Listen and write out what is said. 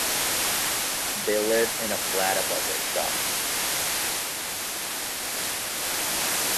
They lived in a flat above their shop.